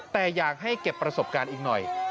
แต่อยากให้เก็บประสบการณ์อีกหน่อย